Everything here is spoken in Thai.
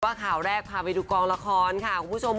ข่าวแรกพาไปดูกองละครค่ะคุณผู้ชม